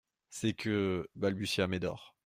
C'est que …, balbutia Médor.